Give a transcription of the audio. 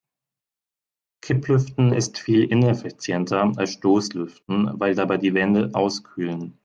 Kipplüften ist viel ineffizienter als Stoßlüften, weil dabei die Wände auskühlen.